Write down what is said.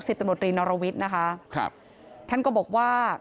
ตำรวจรีนรวิทย์นะคะครับท่านก็บอกว่า